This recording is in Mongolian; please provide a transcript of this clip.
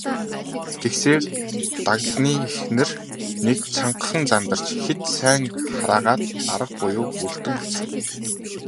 Тэгсээр, Дагданы эхнэр нэг чангахан зандарч хэд сайн хараагаад арга буюу үлдэн хоцров.